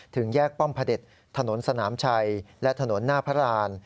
ถึงแยกป้อมพระเด็จถนนสนามชัยและถนนหน้าพระราณ